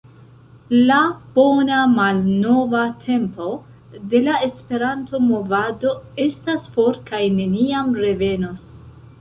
la “bona malnova tempo” de la Esperanto-movado estas for kaj neniam revenos.